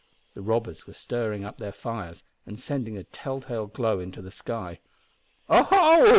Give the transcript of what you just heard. The robbers were stirring up their fires, and sending a tell tale glow into the sky. "O ho!"